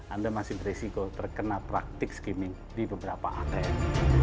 anda masih berisiko terkena praktek skimming di beberapa atm